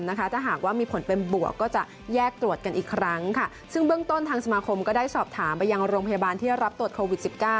ถ้าหากว่ามีผลเป็นบวกก็จะแยกตรวจกันอีกครั้งค่ะซึ่งเบื้องต้นทางสมาคมก็ได้สอบถามไปยังโรงพยาบาลที่รับตรวจโควิด๑๙